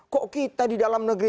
kok kita di dalam negeri